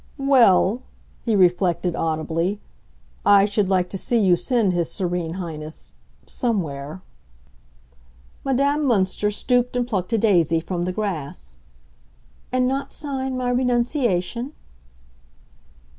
"Well," he reflected, audibly, "I should like to see you send his Serene Highness—somewhere!" Madame Münster stooped and plucked a daisy from the grass. "And not sign my renunciation?"